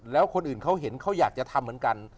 แล้วคนอื่นเขาเห็นเขาอยากจะทำเหมือนกัน